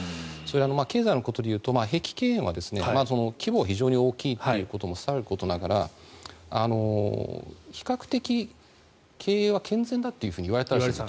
経済のことで言うと碧桂園は規模が非常に大きいということも去ることながら比較的経営は健全だと言われていたんです。